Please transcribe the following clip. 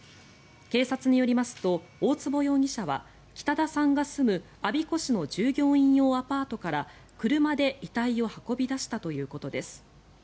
警察によりますと、大坪容疑者は北田さんが住む我孫子市の従業員用アパートから車で遺体を運び出したということです。